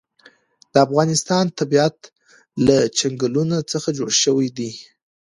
د افغانستان طبیعت له چنګلونه څخه جوړ شوی دی.